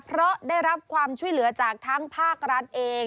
เพราะได้รับความช่วยเหลือจากทั้งภาครัฐเอง